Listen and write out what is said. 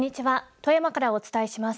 富山からお伝えします。